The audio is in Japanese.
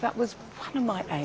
はい。